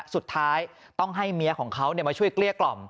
สุดท้ายต้องให้เมียของเขามาช่วยเกลี้ยกล่อม